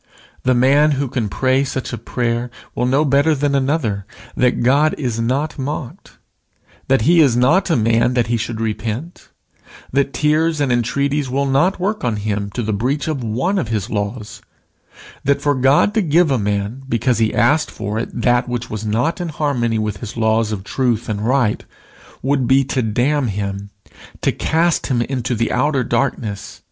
The man who can pray such a prayer will know better than another, that God is not mocked; that he is not a man that he should repent; that tears and entreaties will not work on him to the breach of one of his laws; that for God to give a man because he asked for it that which was not in harmony with his laws of truth and right, would be to damn him to cast him into the outer darkness.